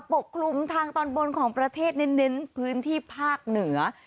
ปกคลุมทางตอนบนของประเทศเน้นพื้นที่ภาคเหนือ